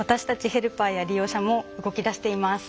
ヘルパーや利用者も動きだしています。